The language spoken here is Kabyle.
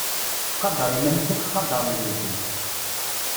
Qader iman-ik ad ak-qadren medden.